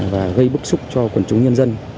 và gây bức xúc cho quần chúng